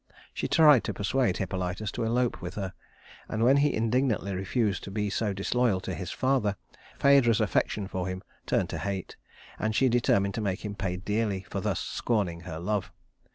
She tried to persuade Hippolytus to elope with her, and when he indignantly refused to be so disloyal to his father, Phædra's affection for him turned to hate, and she determined to make him pay dearly for thus scorning her love.